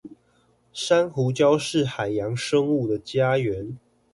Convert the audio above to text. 珊瑚礁是海洋生物的家園